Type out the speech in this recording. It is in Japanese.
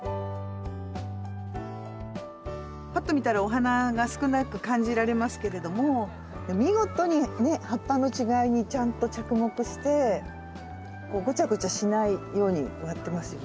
パッと見たらお花が少なく感じられますけれども見事にね葉っぱの違いにちゃんと着目してごちゃごちゃしないように植わってますよね。